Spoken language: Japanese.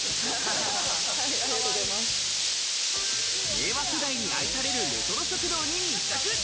令和世代に愛されるレトロ食堂に密着。